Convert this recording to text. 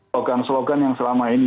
slogan slogan yang selama ini